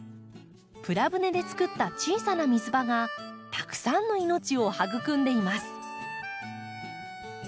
プラ舟でつくった小さな水場がたくさんの命を育んでいます。